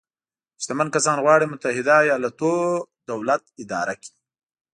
شتمن کسان غواړي متحده ایالتونو دولت اداره کړي.